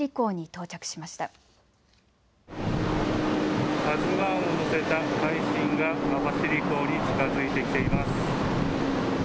ＫＡＺＵＩを載せた海進が網走港に近づいてきています。